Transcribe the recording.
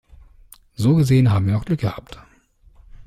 So gesehen haben wir noch Glück gehabt.